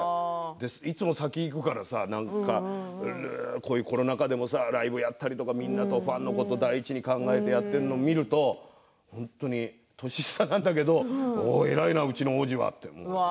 いつも先をいくからさコロナ禍でもライブをやったりファンのことを第一に考えてやっているのを見ると年下なんだけど、偉いなうちの王子はって。